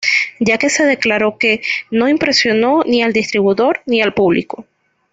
Ya que se declaró que ""no impresionó ni al distribuidor ni al público"".